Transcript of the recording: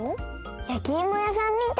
やきいもやさんみたい！